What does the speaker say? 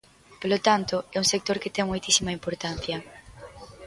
Polo tanto, é un sector que ten moitísima importancia.